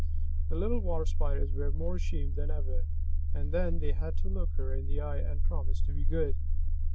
The little Water Spiders were more ashamed than ever, but they had to look her in the eye and promise to be good.